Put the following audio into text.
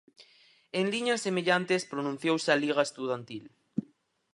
En liñas semellantes pronunciouse a Liga Estudantil.